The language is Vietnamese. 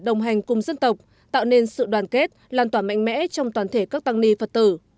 đồng hành cùng dân tộc tạo nên sự đoàn kết lan tỏa mạnh mẽ trong toàn thể các tăng ni phật tử